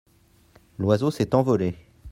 l'oiseau s'est envolé.